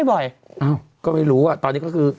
บ่อยอ้าวก็ไม่รู้อ่ะตอนนี้ก็คือ